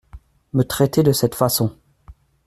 Me traiter de cette façon !